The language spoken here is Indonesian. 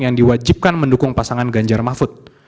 yang diwajibkan mendukung pasangan ganjar mahfud